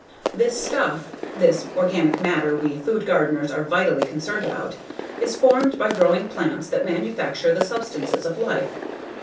This stuff, this organic matter we food gardeners are vitally concerned about, is formed by growing plants that manufacture the substances of life.